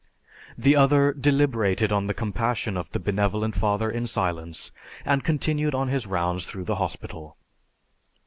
The other deliberated on the compassion of the Benevolent Father in silence, and continued on his rounds through the hospital.